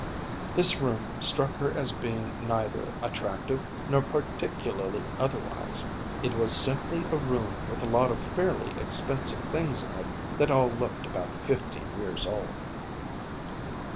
This room struck her as being neither attractive nor particularly otherwise. It was simply a room with a lot of fairly expensive things in it that all looked about fifteen years old.